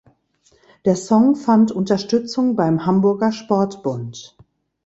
Der Song fand Unterstützung beim Hamburger Sportbund.